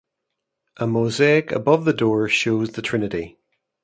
A mosaic above the door shows the Trinity.